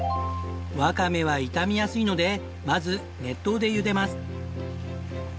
ワカメは傷みやすいのでまず熱湯で茹でます。